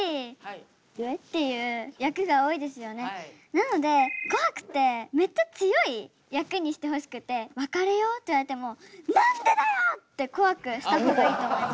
なので怖くてめっちゃ強い役にしてほしくて別れようって言われても「何でだよ！」って怖くした方がいいと思います。